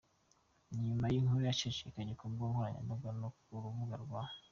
Ni nyuma y’inkuru yacicikanye ku mbuga nkoranyambaga no ku rubuga rwa.